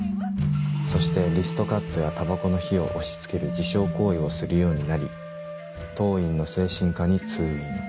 そしてリストカットやタバコの火を押し付ける自傷行為をするようになり当院の精神科に通院。